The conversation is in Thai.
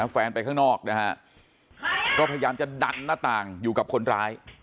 แฟนไปข้างนอกนะฮะก็พยายามจะดันหน้าต่างอยู่กับคนร้าย